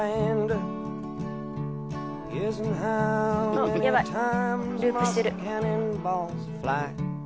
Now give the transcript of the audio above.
あヤバいループしてる。